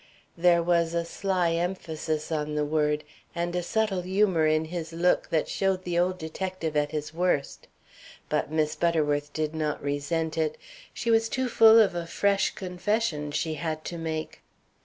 There was a sly emphasis on the word, and a subtle humor in his look that showed the old detective at his worst. But Miss Butterworth did not resent it; she was too full of a fresh confession she had to make.